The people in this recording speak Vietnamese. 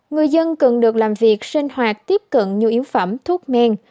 người dân cần được làm việc sinh hoạt tiếp cận nhu yếu phẩm thuốc men